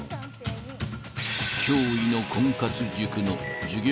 ［驚異の婚活塾の］